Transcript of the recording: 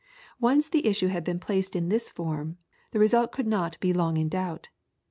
] Once the issue had been placed in this form, the result could not be long in doubt.